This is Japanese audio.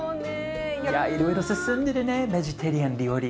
いろいろ進んでるねベジタリアン料理。